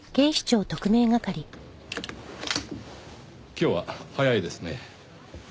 今日は早いですね。